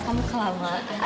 kamu kelamaan ya